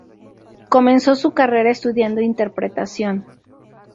Comenzó su carrera estudiando interpretación.